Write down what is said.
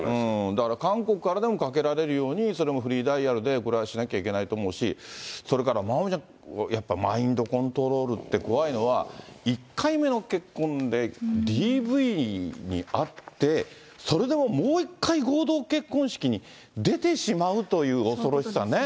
だから韓国からでもかけられるように、それもフリーダイヤルで、これはしなきゃいけないと思うし、それからまおみちゃん、マインドコントロールって怖いのは、１回目の結婚でＤＶに遭って、それでももう一回、合同結婚式に出てしまうという恐ろしさね。